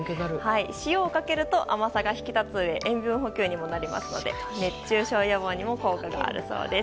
塩をかけると甘さが引き立つうえ塩分補給にもなるので熱中症予防にも効果があるようです。